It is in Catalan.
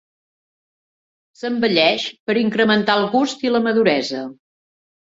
S'envelleix per incrementar el gust i la maduresa.